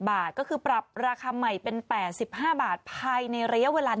บาทก็คือปรับราคาใหม่เป็น๘๕บาทภายในระยะเวลา